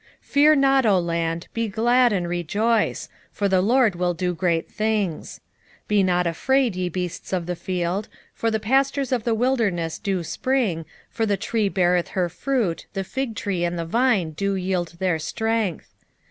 2:21 Fear not, O land; be glad and rejoice: for the LORD will do great things. 2:22 Be not afraid, ye beasts of the field: for the pastures of the wilderness do spring, for the tree beareth her fruit, the fig tree and the vine do yield their strength.